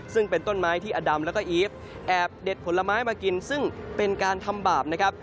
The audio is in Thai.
ซึ่งเป็นต้นไม้ที่อดำแล้วก็อีฟแอบเด็ดผลไม้มากินซึ่งเป็นการทำบาปนะครับ